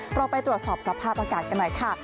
เราไปตรวจสอบสภาพอากาศกันหน่อยค่ะ